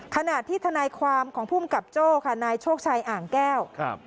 ขณะที่ทนายความของภูมิกับโจ้ค่ะนายโชคชัยอ่างแก้วครับ